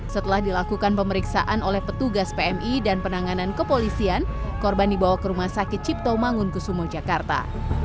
setelah dilakukan pemeriksaan oleh petugas pmi dan penanganan kepolisian korban dibawa ke rumah sakit cipto mangunkusumo jakarta